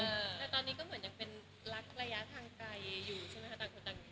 แต่ตอนนี้ก็เหมือนยังเป็นรักระยะทางไกลอยู่ใช่ไหมคะต่างคนต่าง